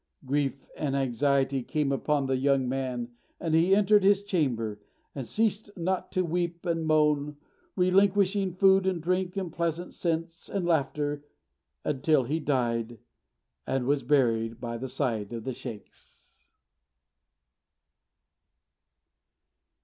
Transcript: Grief and anxiety came upon the young man, and he entered his chamber, and ceased not to weep and moan, relinquishing food and drink and pleasant scents and laughter, until he died; and he was buried by the side of the sheykhs.